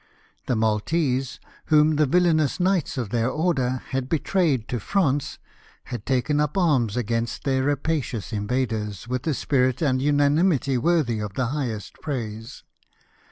The Maltese, whom the villainous knights of their Order had betrayed to France, had taken up arms against their rapacious invaders with a spirit and unanimity worthy of the highest praise.